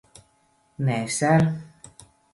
Nē, ser.